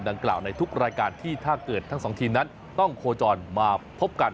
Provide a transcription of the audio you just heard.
ดังกล่าวในทุกรายการที่ถ้าเกิดทั้งสองทีมนั้นต้องโคจรมาพบกัน